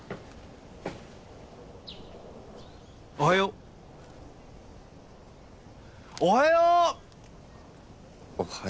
おはよう！